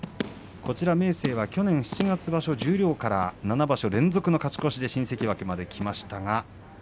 明生は去年７月、十両から７場所連続の勝ち越しで新関脇まできました。